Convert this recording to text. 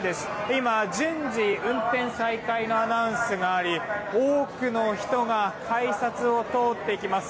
今、順次運転再開のアナウンスがあり多くの人が改札を通っていきます。